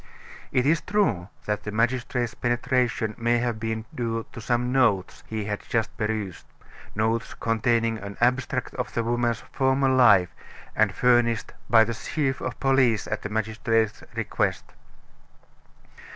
It is true that the magistrate's penetration may have been due to some notes he had just perused notes containing an abstract of the woman's former life, and furnished by the chief of police at the magistrate's request.